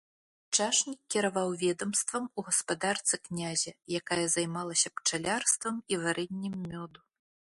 Чашнік кіраваў ведамствам у гаспадарцы князя, якая займалася пчалярствам і варэннем мёду.